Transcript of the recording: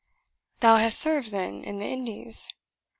"Thou hast served, then, in the Indies?"